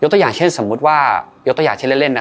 ตัวอย่างเช่นสมมุติว่ายกตัวอย่างเช่นเล่นนะ